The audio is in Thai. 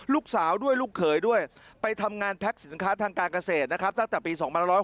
ลูกสาวด้วยลูกเขยด้วยไปทำงานแพ็คสินค้าทางการเกษตรนะครับตั้งแต่ปี๒๑๖